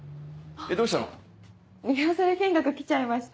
リハーサル見学来ちゃいました。